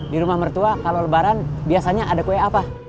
di rumah mertua kalau lebaran biasanya ada kue apa